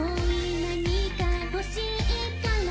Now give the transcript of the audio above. なにかほしいから」